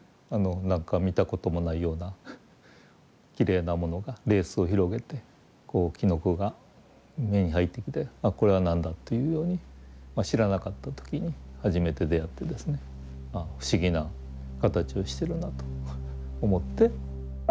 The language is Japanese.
何か見たこともないようなきれいなものがレースを広げてこうきのこが目に入ってきてあっこれは何だというように知らなかった時に初めて出会ってですねああ不思議な形をしてるなと思って。